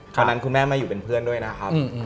วันนั้นคุณแม่มาอยู่เป็นเพื่อนด้วยนะครับ